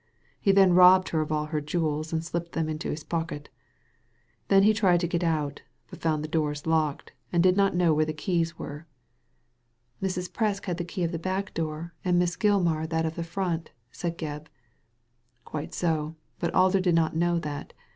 He then robbed her of all her jcweb and slipped them into his pocket Then he tried to get out, but found the doors locked, and did not know where the keys were." Digitized by Google HOW THE DEED WAS DONE 265 ''Mrs. Fresk had the key of the back door, and Miss Gilmar that of the front, said Gebb. ''Quite so; but Alder did not know that.